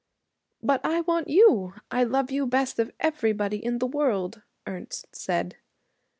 'But I want you. I love you best of everybody in the world,' Ernest said.